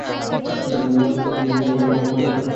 তৎপর নিমজ্জিত করলাম অপর দলটিকে।